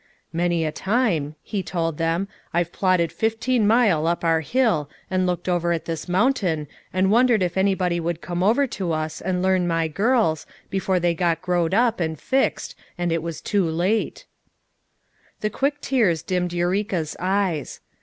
" 'Many a time,' he told them, Tve plodded fifteen mile up our hill and looked over at this mountain and 322 FOUE MOTHEBS AT CHAUTAUQUA 323 wondered if anybody would come over to us and learn my girls, before they got growed up, and fixed, and it was too late.' " The quick tears dimmed Eureka's eyes.